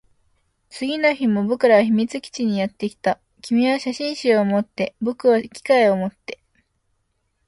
次の日も僕らは秘密基地にやってきた。君は写真集を持って、僕は機械を持って。